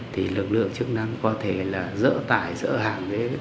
thì lực lượng chức năng có thể là dỡ tải dỡ hàng